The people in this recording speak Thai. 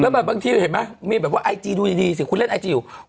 แบบบางทีเห็นไหมมีแบบว่าไอจีดูดีสิคุณเล่นไอจีอยู่